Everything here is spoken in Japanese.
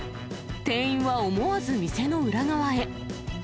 店員は思わず店の裏側へ。